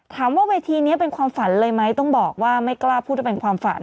เวทีนี้เป็นความฝันเลยไหมต้องบอกว่าไม่กล้าพูดให้เป็นความฝัน